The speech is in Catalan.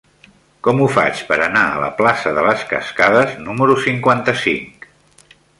Com ho faig per anar a la plaça de les Cascades número cinquanta-cinc?